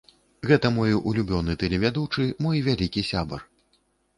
Гэта мой улюбёны тэлевядучы, мой вялікі сябар.